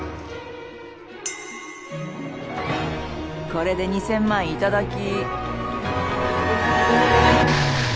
これで２，０００万頂き。